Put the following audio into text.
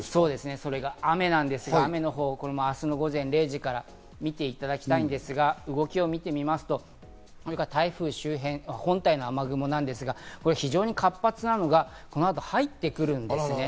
そして雨、明日の午前０時から見ていただきたいんですが、動きを見てみますと、台風周辺、本体の雨雲ですが非常に活発なのがこの後入ってくるんですね。